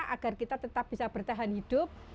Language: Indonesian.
agar kita tetap bisa bertahan hidup